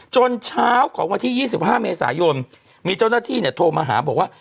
จนเช้าของวันที่๒๕เมษายนมีเจ้าหน้าที่เนี่ยโทรมาหาบอกว่า